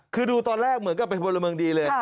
คือดูตอนแรกเหมือนกับเป็นพลเมืองดีเลย